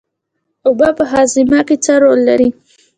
اوبه په هاضمه کې څه رول لري